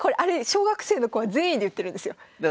小学生の子は善意で言ってるんですよ。